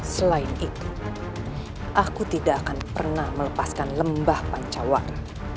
selain itu aku tidak akan pernah melepaskan lembah pancawang